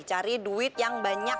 cari duit yang banyak